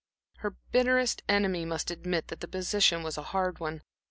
Her bitterest enemy must admit that the position was a hard one.